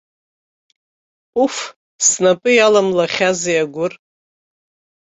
Уф, снапы иаламлахьази агәыр!